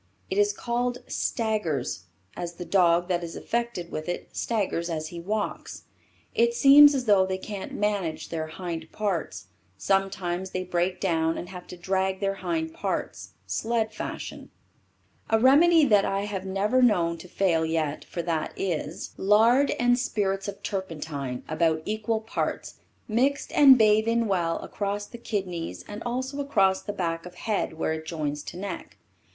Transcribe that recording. It is called "staggers" as the dog that is affected with it staggers as he walks. It seems as though they can't manage their hind parts. Sometimes they break down and have to drag their hind parts (sled fashion.) A remedy that I have never known to fail yet for that is: Lard and spirits of turpentine about equal parts mixed and bathe in well across the kidneys and also across the back of head where it joins to neck.